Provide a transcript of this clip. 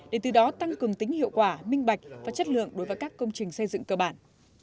để từ đó tăng cường tính hiệu quả minh bạch và chất lượng đối với các công trình xây dựng cơ bản